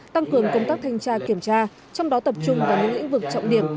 tăng cường công tác thanh tra kiểm tra trong đó tập trung vào những lĩnh vực trọng điểm